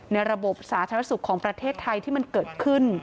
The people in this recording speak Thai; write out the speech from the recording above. ระบบสาธารณสุขของประเทศไทยที่มันเกิดขึ้น